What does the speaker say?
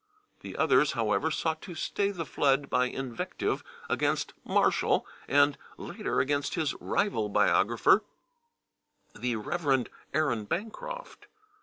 The others, however, sought to stay the flood by invective against Marshall and, later, against his rival biographer, the Rev. Aaron Bancroft.